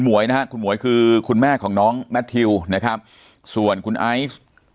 หวยนะฮะคุณหมวยคือคุณแม่ของน้องแมททิวนะครับส่วนคุณไอซ์